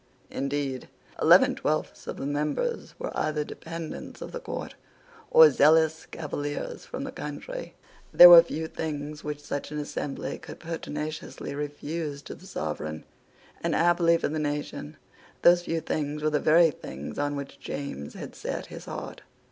Indeed, eleven twelfths of the members were either dependents of the court, or zealous Cavaliers from the country. There were few things which such an assembly could pertinaciously refuse to the Sovereign; and, happily for the nation, those few things were the very things on which James had set his heart.